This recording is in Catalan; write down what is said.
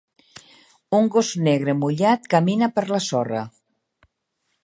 Un gos negre mullat camina per la sorra.